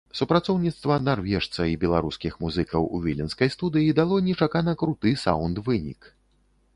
Супрацоўніцтва нарвежца і беларускіх музыкаў у віленскай студыі дало нечакана круты саўнд-вынік.